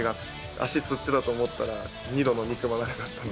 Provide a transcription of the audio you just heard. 足つってたと思ったら、２度の肉離れだった。